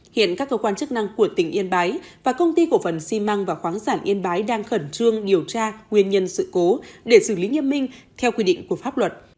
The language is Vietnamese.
hiện các cơ quan chức năng của tỉnh yên bái và công ty cổ phần xi măng và khoáng sản yên bái đang khẩn trương điều tra nguyên nhân sự cố để xử lý nghiêm minh theo quy định của pháp luật